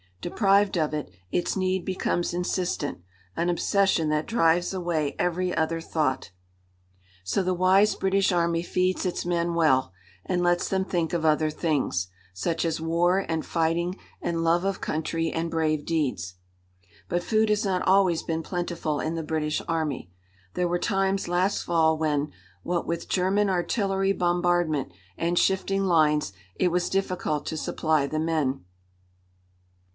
Deprived of it, its need becomes insistent, an obsession that drives away every other thought. So the wise British Army feeds its men well, and lets them think of other things, such as war and fighting and love of country and brave deeds. But food has not always been plentiful in the British Army. There were times last fall when, what with German artillery bombardment and shifting lines, it was difficult to supply the men.